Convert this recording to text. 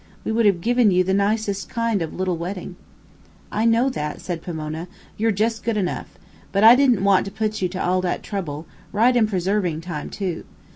We would have given you the nicest kind of a little wedding." "I know that," said Pomona; "you're jus' good enough. But I didn't want to put you to all that trouble right in preserving time too.